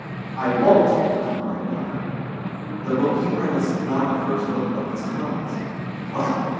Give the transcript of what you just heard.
"I won't!" he cried aloud. The bookkeeper and the stenographers looked up in surprise. "What?"